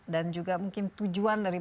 dan juga mungkin tujuan dari